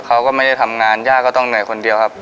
เขาก็ไม่ได้ทำงานย่าก็ต้องเหนื่อยคนเดียวครับ